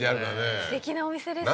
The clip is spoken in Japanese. すてきなお店ですね。